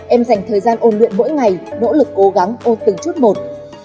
em dành thời gian ôn luyện mỗi ngày nỗ lực cố gắng ô từng chút một